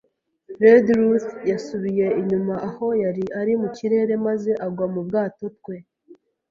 Redruth yasubiye inyuma aho yari ari mu kirere maze agwa mu bwato, twe